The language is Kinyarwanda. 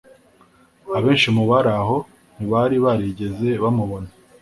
Abenshi mu bari aho ntibari barigeze bamubona;